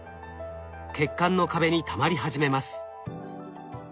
血管の壁にたまり始めます。